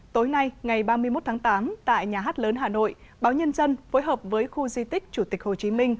tối nay ngày ba mươi một tháng tám tại nhà hát lớn hà nội báo nhân dân phối hợp với khu di tích chủ tịch hồ chí minh